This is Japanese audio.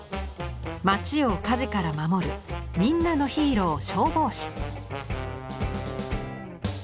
町を火事から守るみんなのヒーロー消防士。